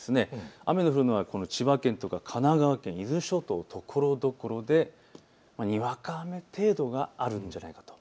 雨が降るのは千葉県とか神奈川県、伊豆諸島ところどころでにわか雨程度があるんじゃないかと。